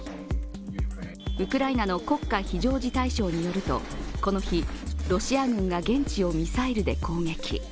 ウクライナの国家非常事態省によると、この日、ロシア軍が現地をミサイルで攻撃。